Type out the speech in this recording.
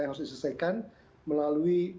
yang harus diselesaikan melalui